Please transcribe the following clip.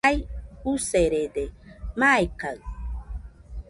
Jai userede, maikaɨ